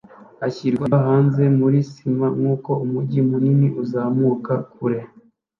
ashyirwa hanze muri sima nkuko umujyi munini uzamuka kure.